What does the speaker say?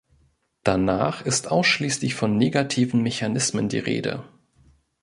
Danach ist ausschließlich von negativen Mechanismen die Rede.